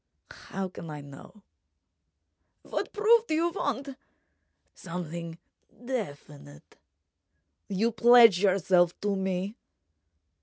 How can I know—?" "What proof do you want?" "Something definite.... You pledge yourself to me?"